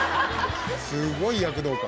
すごい躍動感。